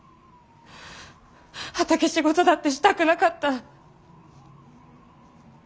畑仕事だってしたくなかった。